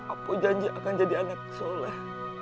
aku janji akan jadi anak soleh